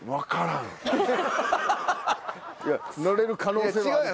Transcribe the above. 乗れる可能性はある。